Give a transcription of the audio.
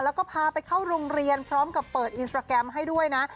แล้วก็พาไปเข้าโรงเรียนพร้อมกับเปิดอินสตราแกรมให้ด้วยนะ